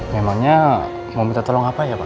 memangnya mau minta tolong apa ya pak